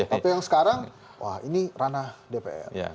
tapi yang sekarang wah ini ranah dpr